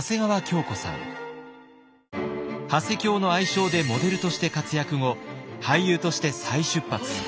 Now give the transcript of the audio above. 「ハセキョー」の愛称でモデルとして活躍後俳優として再出発。